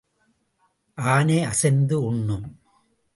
ஆனை அசைந்து உண்ணும்.